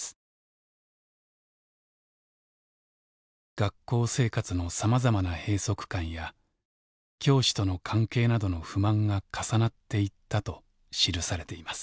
学校生活のさまざまな閉塞感や教師との関係などの不満が重なっていったと記されています。